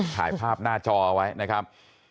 ถ่ายภาพหน้าจอเอาไว้นะครับ